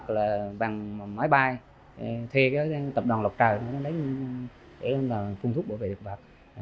hoặc là bằng máy bay thê cái tập đoàn lọc trời để phun thúc bộ vệ thực vật